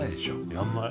やんない？